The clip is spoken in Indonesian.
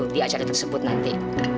di acara tersebut nanti